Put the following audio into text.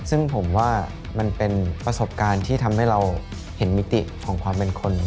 ซึ่งผมว่ามันเป็นประสบการณ์ที่ทำให้เราเห็นมิติของความเป็นคน